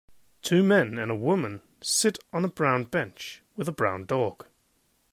Two men and a woman sit on a brown bench with a brown dog